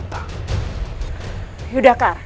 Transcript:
atau merasakan kebenaran